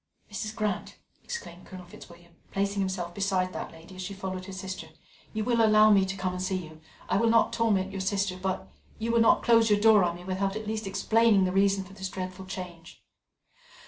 "Mrs. Grant!" exclaimed Colonel Fitzwilliam, placing himself beside that lady as she followed her sister, "you will allow me to come and see you? I will not torment your sister, but you will not close your door on me without at least explaining the reason for this dreadful change?"